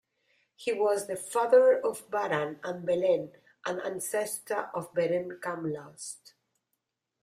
He was the father of Baran and Belen and ancestor of Beren Camlost.